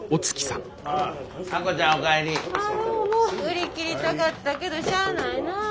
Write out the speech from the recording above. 売り切りたかったけどしゃないなあ。